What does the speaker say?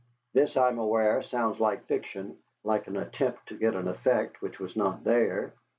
This, I am aware, sounds like fiction, like an attempt to get an effect which was not there.